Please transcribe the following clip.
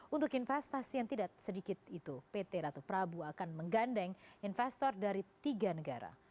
untuk investasi yang tidak sedikit itu pt ratu prabu akan menggandeng investor dari tiga negara